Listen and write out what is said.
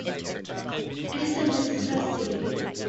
It is a necessity.